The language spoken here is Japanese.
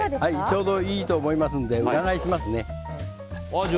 ちょうどいいと思いますので裏返しますね。